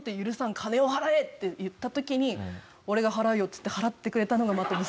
金を払え！」って言った時に「俺が払うよ」って言って払ってくれたのが真飛さん。